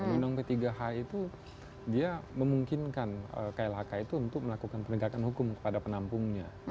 menunggung ketiga h itu dia memungkinkan klhk itu untuk melakukan penegakan hukum kepada penampungnya